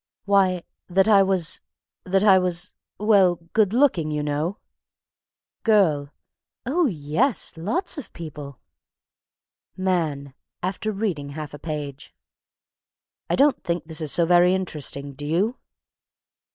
"Why, that I was that I was well, good looking, you know?" GIRL. "Oh, yes! Lots of people!" MAN. (After reading half a page.) "I don't think this is so very interesting, do you?"